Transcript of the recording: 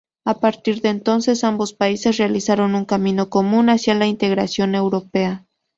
A partir de entonces ambos países realizaron un camino común hacia la integración europea.